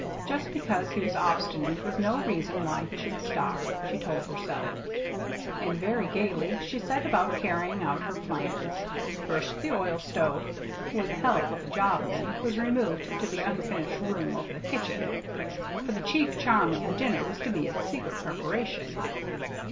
Just because he was obstinate was no reason why he should starve, she told herself; and very gayly she set about carrying out her plans. First the oil stove, with the help of a jobman, was removed to the unfinished room over the kitchen, for the chief charm of the dinner was to be its secret preparation.